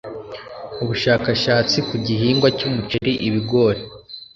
ubushakashatsi ku gihingwa cy'umuceri, ibigori,